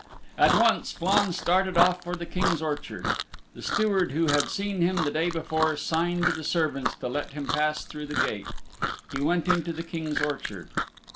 At once Flann started off for the King's orchard. The Steward who had seen him the day before signed to the servants to let him pass through the gate. He went into the King's orchard.